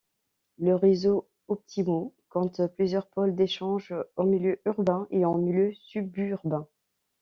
Le réseau Optymo compte plusieurs pôles d'échanges en milieu urbain et en milieu suburbain.